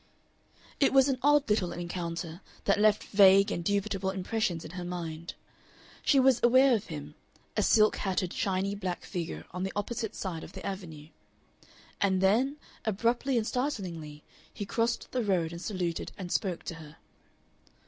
It was an odd little encounter, that left vague and dubitable impressions in her mind. She was aware of him a silk hatted, shiny black figure on the opposite side of the Avenue; and then, abruptly and startlingly, he crossed the road and saluted and spoke to her.